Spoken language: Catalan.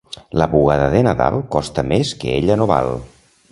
La bugada de Nadal costa més que ella no val.